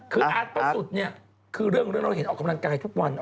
คืออาร์ตประสุทธิ์เนี่ยคือเรื่องเราเห็นออกกำลังกายทุกวัน